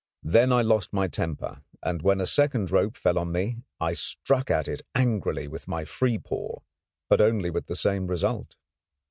Then I lost my temper, and when a second rope fell on me I struck at it angrily with my free paw, but only with the same result.